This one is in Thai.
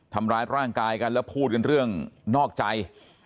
ทำร้ายร่างกายกันแล้วพูดกันเรื่องนอกใจ